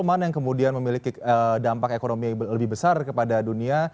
mana yang kemudian memiliki dampak ekonomi yang lebih besar kepada dunia